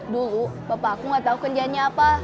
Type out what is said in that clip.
dulu bapak aku gak tahu kerjaannya apa